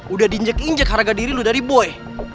udah dinjek injek harga diri lo dari boy